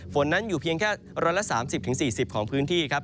ฝนนั้นอยู่เพียงแค่๑๓๐๔๐ของพื้นที่ครับ